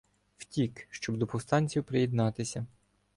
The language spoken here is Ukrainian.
Втік, щоб до повстанців приєднатися.